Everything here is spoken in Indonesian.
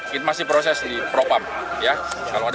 kita masih proses di pro pampol ya